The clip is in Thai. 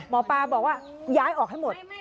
หมอปลาบอกว่าย้ายออกให้หมด